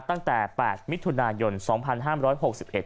ตั้งแต่๘มิตรทุนายน๒๕๖๑บาท